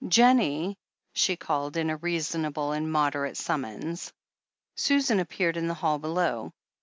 "Jennie I'' she called in reasonable and moderate summons. Susan appeared in the hall below.